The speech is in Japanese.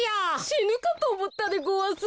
しぬかとおもったでごわす。